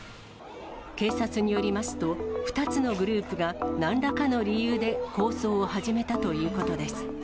警察によりますと、２つのグループがなんらかの理由で抗争を始めたということです。